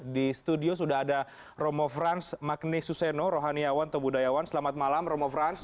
di studio sudah ada romo frans magne suseno rohaniawan tobudayawan selamat malam romo frans